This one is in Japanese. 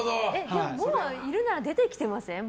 もういるなら出てきてません？